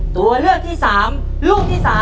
ตัวเลือกที่๓ลูกที่๓